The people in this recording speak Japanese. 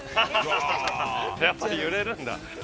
やっぱり揺れるんだ。